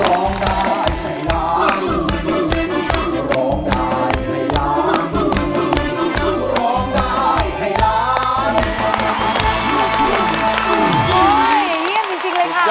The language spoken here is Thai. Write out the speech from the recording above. โอ้โหเยี่ยมจริงเลยค่ะ